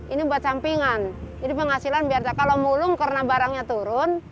ini buat sampingan jadi penghasilan biar kalau mulung karena barangnya turun